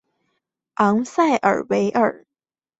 昂塞尔维尔。